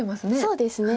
そうですね。